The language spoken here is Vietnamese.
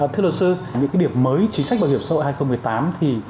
thưa đồng sư những điểm mới chính sách bảo hiểm xã hội hai nghìn một mươi tám